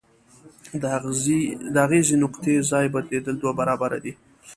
د اغیزې نقطې ځای بدلیدل دوه برابره دی.